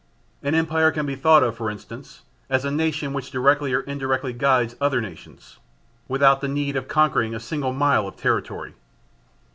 An empire can be thought of, for instance, as a nation which directly or indirectly guides other nations without the need of conquering a single mile of territory.